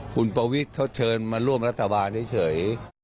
คุณประวิทย์เขาเชิญมาร่วมรัฐบาลเฉย